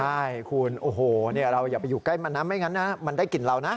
ใช่คุณโอ้โหเราอย่าไปอยู่ใกล้มันนะไม่งั้นนะมันได้กลิ่นเรานะ